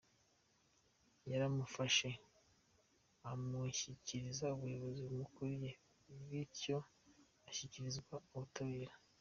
Yaramufashe amushyikiriza ubuyobozi bumukuriye bityo ashyikirizwa ubutabera.